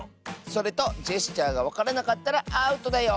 それとジェスチャーがわからなかったらアウトだよ！